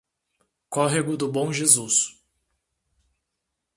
Córrego do Bom Jesus